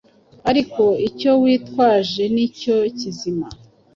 ariko icyo witwaje nicyo kizima